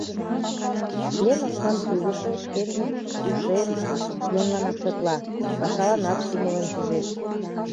Член оксам тӱлышӧ шкенжым ушем членланак шотла, пашаланат кумылын пижеш.